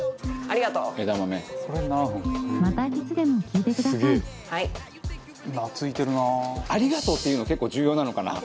「ありがとう」って言うの結構重要なのかな？